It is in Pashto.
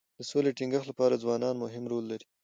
د سولې د ټینګښت لپاره ځوانان مهم رول لري.